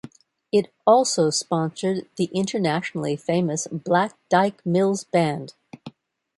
It also sponsored the internationally famous Black Dyke Mills Band.